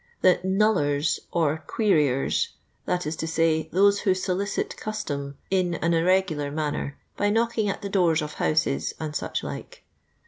The " knullers" or " queriers," that is to say, those who solicit custom in an irregular manner, by knocking at the doors of houses and such like.